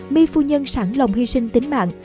my phu nhân sẵn lòng hy sinh tính mạng